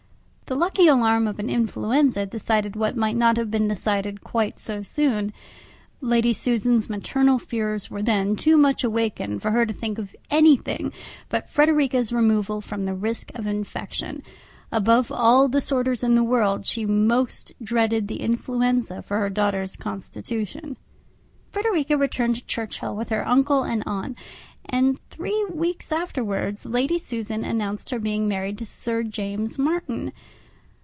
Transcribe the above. The lucky alarm of an influenza decided what might not have been decided quite so soon. Lady Susan's maternal fears were then too much awakened for her to think of anything but Frederica's removal from the risk of infection; above all disorders in the world she most dreaded the influenza for her daughter's constitution! Frederica returned to Churchhill with her uncle and aunt; and three weeks afterwards, Lady Susan announced her being married to Sir James Martin.